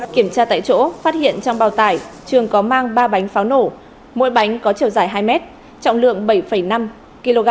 kiểm tra tại chỗ phát hiện trong bào tải trường có mang ba bánh pháo nổ mỗi bánh có chiều dài hai m trọng lượng bảy năm kg